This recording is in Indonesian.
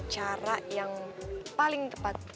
cara yang paling tepat